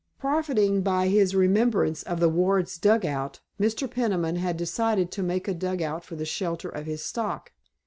Profiting by his remembrance of the Wards' dugout, Mr. Peniman had decided to make a dugout for the shelter of his stock.